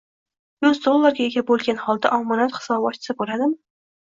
Yuz dollarga ega bo'lgan holda omonat hisobi ochsa bo’ladimi?